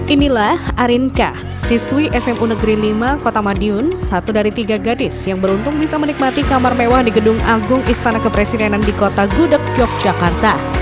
inilah arinka siswi smu negeri lima kota madiun satu dari tiga gadis yang beruntung bisa menikmati kamar mewah di gedung agung istana kepresidenan di kota gudeg yogyakarta